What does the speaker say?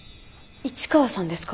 市川さんですか？